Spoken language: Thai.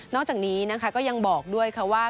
อกจากนี้นะคะก็ยังบอกด้วยค่ะว่า